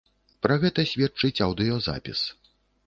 Пра гэта сведчыць аўдыёзапіс.